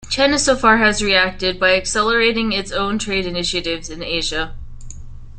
China so far has reacted by accelerating its own trade initiatives in Asia.